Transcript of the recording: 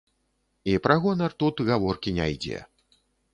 І пра ганарар тут гаворкі не ідзе.